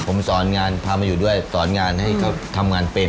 ผมสอนงานพามาอยู่ด้วยสอนงานให้เขาทำงานเป็น